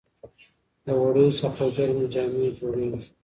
د وړیو څخه ګرمې جامې جوړیږي.